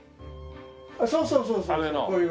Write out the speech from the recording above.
そうそうそうそう。